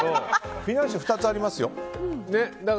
フィナンシェ２つありますよ。